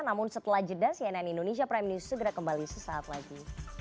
namun setelah jeda cnn indonesia prime news segera kembali sesaat lagi